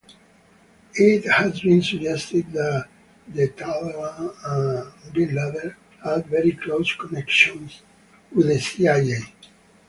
It has been suggested that the Taliban and bin Laden had very close connections.